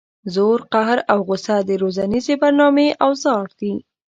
زور قهر او غصه د روزنیزې برنامې اوزار دي.